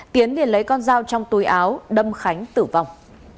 tiến liền lấy con dao trong túi áo đâm khánh tử vong